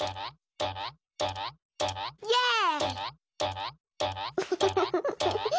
イエーイ！